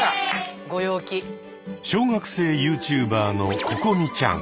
小学生ユーチューバーのここみちゃん。